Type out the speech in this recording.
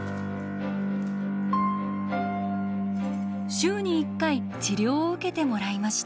週に１回治療を受けてもらいました。